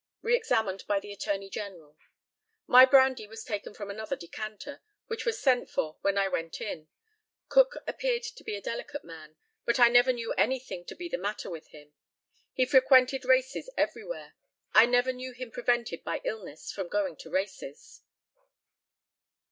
Re examined by the ATTORNEY GENERAL: My brandy was taken from another decanter, which was sent for when I went in. Cook appeared to be a delicate man, but I never knew anything to be the matter with him. He frequented races everywhere. I never knew him prevented by illness from going to races.